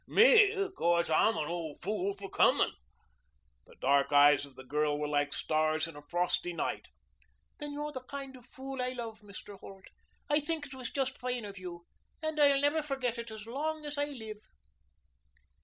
Me, o' course, I'm an old fool for comin' " The dark eyes of the girl were like stars in a frosty night. "Then you're the kind of a fool I love, Mr. Holt. I think it was just fine of you, and I'll never forget it as long as I live."